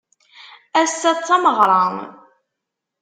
Ass-a d tameɣra.